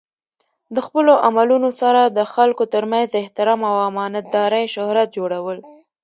د خپلو عملونو سره د خلکو ترمنځ د احترام او امانت دارۍ شهرت جوړول.